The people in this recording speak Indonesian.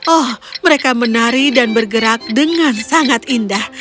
oh mereka menari dan bergerak dengan sangat indah